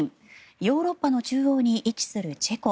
ヨーロッパの中央に位置するチェコ。